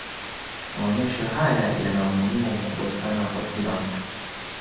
maonyesho haya yana umuhimu mkubwa sana kwa kila mtu